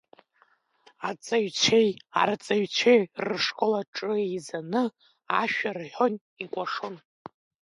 Аҵаҩцәеи арҵаҩцәеи рышкол аҿы еизаны ашәа рҳәон икәашон.